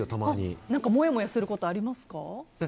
もやもやすることありますか？